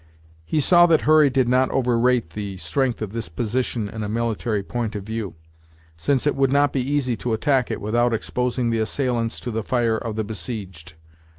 He saw that Hurry did not overrate the strength of this position in a military point of view, since it would not be easy to attack it without exposing the assailants to the fire of the besieged.